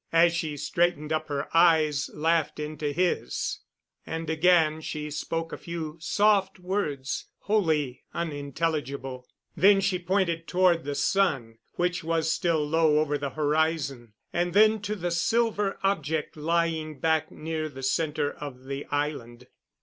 As she straightened up her eyes laughed into his, and again she spoke a few soft words wholly unintelligible. Then she pointed toward the sun, which was still low over the horizon, and then to the silver object lying back near the center of the island.